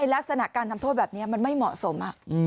ลักษณะการทำโทษแบบนี้มันไม่เหมาะสม